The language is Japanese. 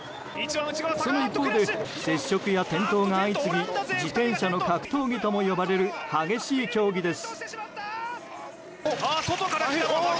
一方で接触や転倒が相次ぎ自転車の格闘技とも呼ばれる激しい競技です。